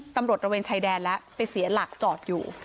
ตำรวจระเวนชายแดนแล้วไปเสียหลักจอดอยู่